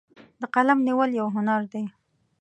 د قلم نیول یو هنر دی.